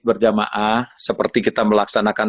berjamaah seperti kita melaksanakan